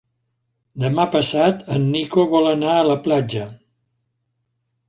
Demà passat en Nico vol anar a la platja.